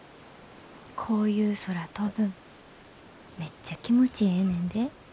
こういう空飛ぶんめっちゃ気持ちええねんで。